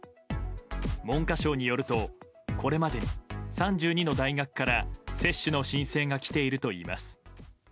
文科省によるとこれまでに３２の大学から接種の申請が来ているといいます。